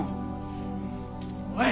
おい！